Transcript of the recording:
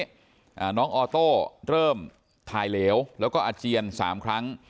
อ่าน้องออโต้เริ่มถ่ายเหลวแล้วก็อาเจียนสามครั้ง